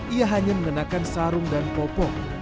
ia hanya mengenakan sarung dan popok